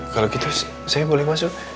kalau gitu saya boleh masuk